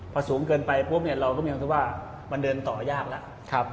พอสูงเกินไปเราก็มีความสิ่งที่ว่ามันเดินต่อยากแล้ว